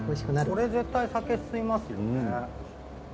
これ絶対酒進みますよね。